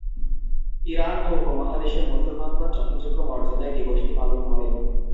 Iran ও উপমহাদেশের মুসলমানগণ যথাযোগ্য মর্যাদায় দিবসটি পালন করেন।